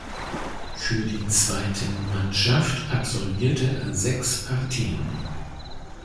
Für die zweiten Mannschaft absolvierte er sechs Partien.